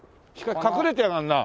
隠れてやがるな。